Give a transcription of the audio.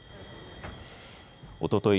おととい